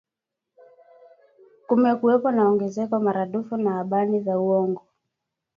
kumekuwepo na ongezeko maradufu la habari za uwongo